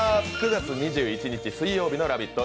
９月２１日水曜日の「ラヴィット！」